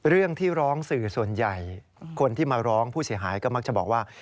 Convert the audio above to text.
เรื่องที่ร้องสื่อส่วนใหญ่คนที่มาร้องผู้เสียหายก็มักจะบอกว่า